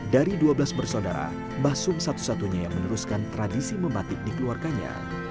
dari dua belas bersaudara mbah sum satu satunya yang meneruskan tradisi membatik dikeluarkannya